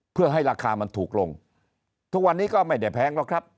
เพื่อให้ราคามันถูกลงทุกวันนี้ก็ไม่ได้แพงหรอกครับ